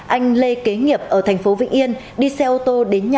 anh lê kế nghiệp ở thành phố vĩnh yên đi xe ô tô đến nhà